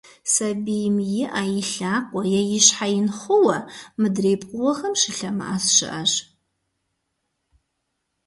Сабийм и Ӏэ, и лъакъуэ е и щхьэ ин хъууэ, мыдрей пкъыгъуэхэм щылъэмыӀэс щыӀэщ.